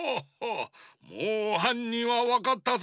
もうはんにんはわかったぞ。